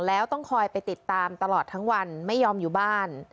แล้วต้องคอยไปติดตามตลอดทั้งวันไม่ยอมอยู่บ้าน